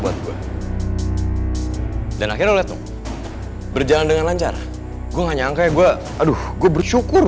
buat gue dan akhirnya lihat berjalan dengan lancar gua nggak nyangka gua aduh gua bersyukur